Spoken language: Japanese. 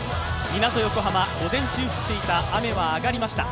港横浜、午前中降っていた雨は上がりました。